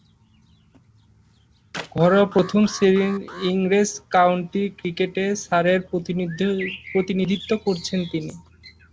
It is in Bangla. ঘরোয়া প্রথম-শ্রেণীর ইংরেজ কাউন্টি ক্রিকেটে সারের প্রতিনিধিত্ব করেছেন তিনি।